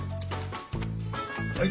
はい。